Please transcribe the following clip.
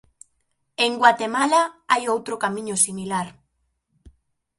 En Guatemala hai outro camiño similar.